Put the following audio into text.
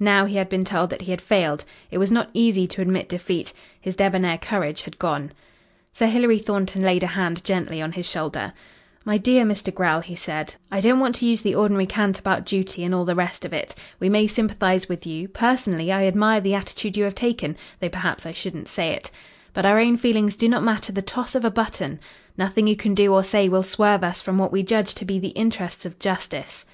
Now he had been told that he had failed. It was not easy to admit defeat. His debonair courage had gone. Sir Hilary Thornton laid a hand gently on his shoulder. "My dear Mr. Grell," he said, "I don't want to use the ordinary cant about duty and all the rest of it. We may sympathise with you personally, I admire the attitude you have taken, though perhaps I shouldn't say it but our own feelings do not matter the toss of a button. Nothing you can do or say will swerve us from what we judge to be the interests of justice."